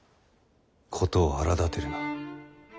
事を荒だてるな。